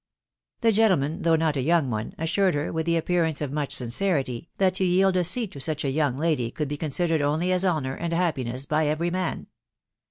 The gentleman, though not a young one, assured her, with the appearance of much sincerity, that to yield a seat to such a young lady could be considered only as honour and happiness by every man.